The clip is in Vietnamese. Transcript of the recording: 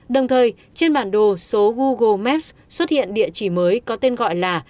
đồng thời trên bản đồ số google maps xuất hiện địa chỉ mới có tên gọi là